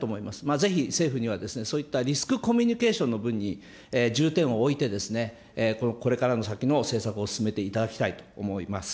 ぜひ政府には、そういったリスクコミュニケーションの部分に重点を置いて、これから先の施策を進めていただきたいと思います。